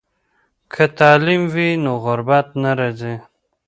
که تعلیم وي نو غربت نه راځي.